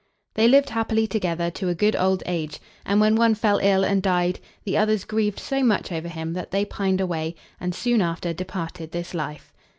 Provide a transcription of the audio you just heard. They lived happily together to a good old age, and when one fell ill and died, the others grieved so much over him that they pined away and soon after departed this life.